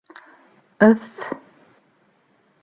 Ыҫ-ҫ-ҫ!